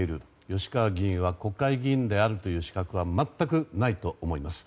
吉川議員は国会議員であるという資格は全くないと思います。